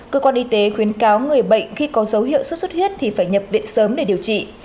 cơ quan y tế khuyến cáo người bệnh khi có dấu hiệu xuất xuất huyết thì phải nhập viện sớm để điều trị